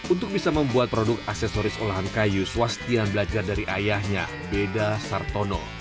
untuk bisa membuat produk aksesoris olahan kayu swastian belajar dari ayahnya beda sartono